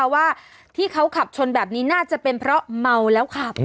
ว่าที่เขาขับชนแบบนี้น่าจะเป็นเพราะเมาแล้วขับ